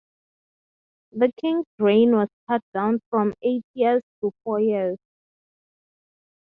The king's reign was cut down from eight years to four years.